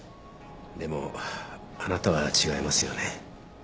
でもあなたは違いますよね？